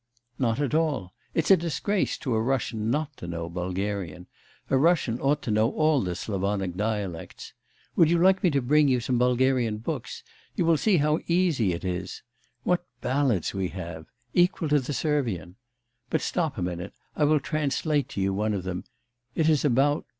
'Not at all. It's a disgrace to a Russian not to know Bulgarian. A Russian ought to know all the Slavonic dialects. Would you like me to bring you some Bulgarian books? You will see how easy it is. What ballads we have! equal to the Servian. But stop a minute, I will translate to you one of them. It is about...